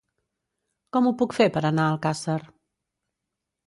Com ho puc fer per anar a Alcàsser?